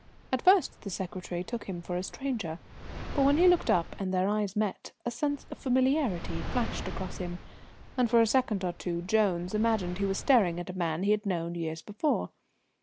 At first the secretary took him for a stranger, but when he looked up and their eyes met, a sense of familiarity flashed across him, and for a second or two Jones imagined he was staring at a man he had known years before.